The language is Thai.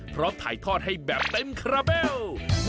ถ่ายทอดให้แบบเต็มคาราเบล